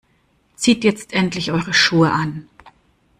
Zieht jetzt endlich eure Schuhe an.